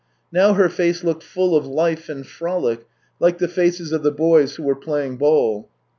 Now her face looked full of life and frolic, like the faces of the boys who were playing ball.